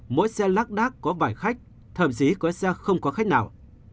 mỗi xe lác đác có vài khách thậm chí có xe không có khách nào